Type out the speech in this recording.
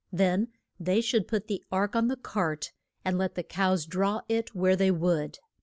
Then they should put the ark on the cart, and let the cows draw it where they would.